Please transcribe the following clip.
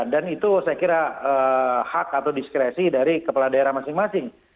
dan itu saya kira hak atau diskresi dari kepala daerah masing masing